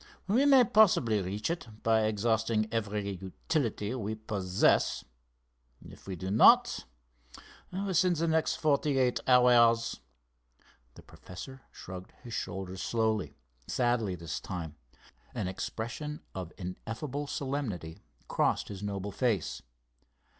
We may possibly reach it by exhausting every utility we possess. If we do not, within the next forty eight hours——" The professor shrugged his shoulders slowly, sadly this time. An expression of ineffable solemnity crossed his noble face.